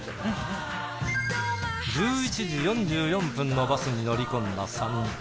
１１時４４分のバスに乗り込んだ３人。